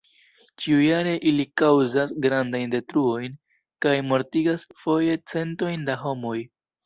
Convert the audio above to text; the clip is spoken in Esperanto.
Ĉiujare ili kaŭzas grandajn detruojn kaj mortigas foje centojn da homoj.